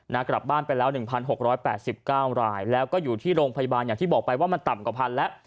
กลับบ้านไปแล้ว๑๖๘๙รายแล้วก็อยู่ที่โรงพยาบาลอย่างที่บอกไปว่ามันต่ำกว่าพันแล้ว